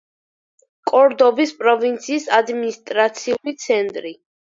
კორდობის პროვინციის ადმინისტრაციული ცენტრი.